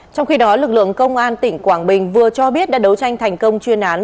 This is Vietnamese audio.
trong khi đó lực lượng công an tỉnh quảng bình vừa cho biết đã đấu tranh thành công chuyên án